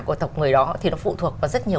của tộc người đó thì nó phụ thuộc vào rất nhiều